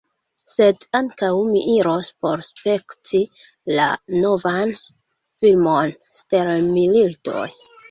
Sed ankaŭ mi iros por spekti la novan filmon, stelmilitoj